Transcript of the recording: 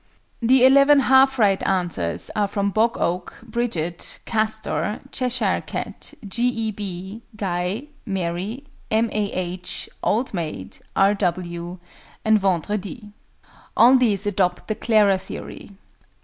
The 11 half right answers are from BOG OAK, BRIDGET, CASTOR, CHESHIRE CAT, G. E. B., GUY, MARY, M. A. H., OLD MAID, R. W., and VENDREDI. All these adopt the "Clara" theory.